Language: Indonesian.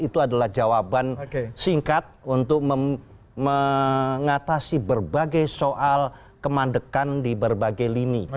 itu adalah jawaban singkat untuk mengatasi berbagai soal kemandekan di berbagai lini